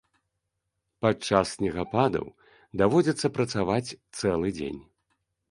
Падчас снегападаў даводзіцца працаваць цэлы дзень.